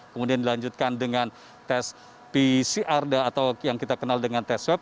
kemudian dilanjutkan dengan tes pcr atau yang kita kenal dengan tes swab